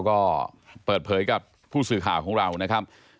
ก็เปิดเผยกับผู้สื่อข่าวของเรานะครับ